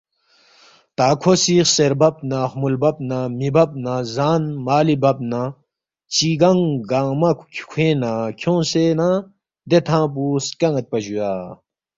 تا کھو سی خسیر بب نہ خمُول بب نہ می بب نہ زان مالی بب نہ چِگنگ گنگمہ کھوینگ نہ کھیونگسے نہ دے تھنگ پو سکن٘یدپا جُویا